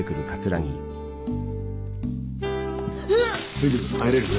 すぐ入れるぜ。